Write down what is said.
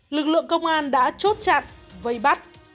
lực lượng công an đã chốt chặn vây bắt